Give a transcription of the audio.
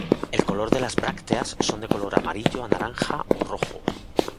El color de las brácteas son de color amarillo a naranja o rojo.